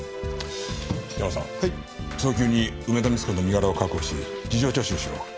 ヤマさん早急に梅田三津子の身柄を確保し事情聴取しろ。